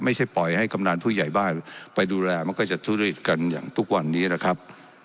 ไม่ใช่ปล่อยให้กำนันผู้ใหญ่บ้านไปดูแลมันก็จะทุจริตกันอย่างทุกวันนี้แหละครับ